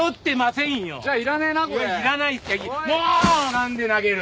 なんで投げる！？